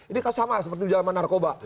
ini kasus sama seperti di dalam narkoba